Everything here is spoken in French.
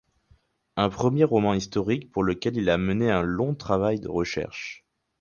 Un premier roman historique pour lequel il a mené un long travail de recherche.